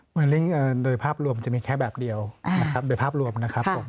ลิ้งโดยภาพรวมจะมีแค่แบบเดียวนะครับโดยภาพรวมนะครับผม